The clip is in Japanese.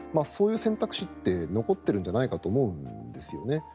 そういう選択肢って残っているんじゃないかと思うんですよね。